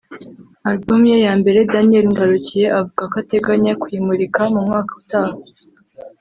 Album ye ya mbere Daniel Ngarukiye avuga ko ateganya kuyimurika mu mwaka utaha